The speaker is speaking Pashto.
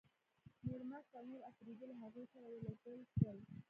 میرمست او نور اپرېدي له هغوی سره ولېږل شول.